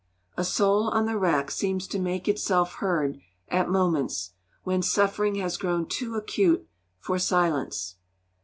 A soul on the rack seems to make itself heard at moments, when suffering has grown too acute for silence.